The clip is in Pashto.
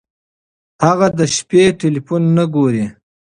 هغه د شپې ټیلیفون نه ګوري.